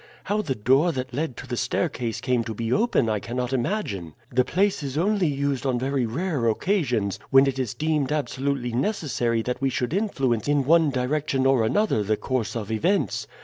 How the door that led to the staircase came to be open I cannot imagine. The place is only used on very rare occasions, when it is deemed absolutely necessary that we should influence in one direction or another the course of events.